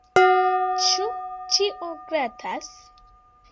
Ĉu ĉio glatas?